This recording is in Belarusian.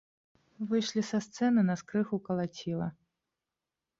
Выйшлі са сцэны, нас крыху калаціла.